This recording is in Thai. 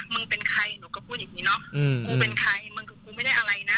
มึงเป็นใครหนูก็พูดอย่างนี้เนอะกูเป็นใครมึงกับกูไม่ได้อะไรนะ